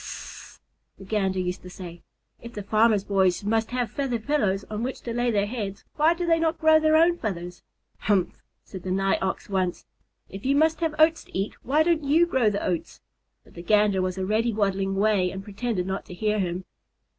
"Sssss!" the Gander used to say, "if the farmer's boys must have feather pillows on which to lay their heads, why do they not grow their own feathers?" "Humph!" said the Nigh Ox once; "If you must have oats to eat, why don't you grow the oats?" But the Gander was already waddling away and pretended not to hear him.